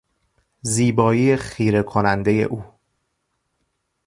زیبایی خیرهکنندهی او